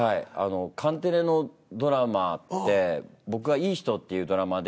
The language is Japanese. カンテレのドラマって僕は「いいひと。」っていうドラマで。